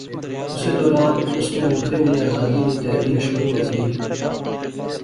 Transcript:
اسے دوران اس نے ملخے نی آزادی نی تحریک شروع ہوئی گئی